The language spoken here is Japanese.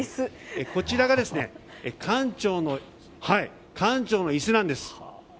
こちらが艦長の椅子なんです。